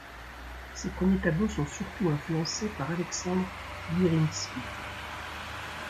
Ces premiers tableaux sont surtout influencés par Alexandre Gierymski.